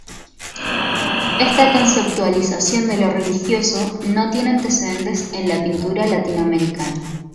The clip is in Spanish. Esta conceptualización de lo religioso no tiene antecedentes en la pintura latino americana.